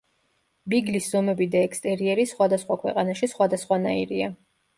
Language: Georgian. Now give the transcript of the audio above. ბიგლის ზომები და ექსტერიერი სხვადასხვა ქვეყანაში სხვადასხვანაირია.